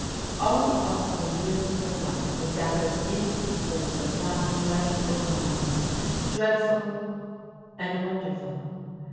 All the possible years of her life were gathered into the force of one dreadful mo ment — dreadful and wonderful.